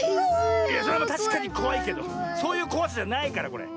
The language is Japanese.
いやそれはたしかにこわいけどそういうこわさじゃないからこれ。